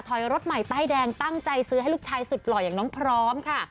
ถอยรถใหม่ป้ายแดงตั้งใจซื้อให้ลูกชายสุดหล่ออย่างน้องพร้อมค่ะ